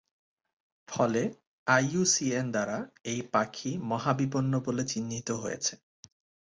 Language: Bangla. ফলে আইইউসিএন দ্বারা এই পাখি মহাবিপন্ন বলে চিহ্নিত হয়েছে।